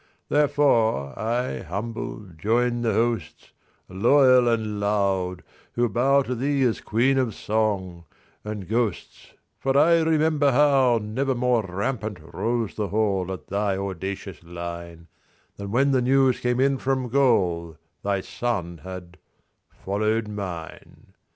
Therefore, I humble, join the hosts, Loyal and loud, who bowTo thee as Queen of Song—and ghosts, For I remember howNever more rampant rose the HallAt thy audacious lineThan when the news came in from GaulThy son had—followed mine.